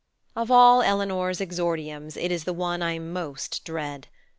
Of all Eleanor's exordiums it is the one I most dread.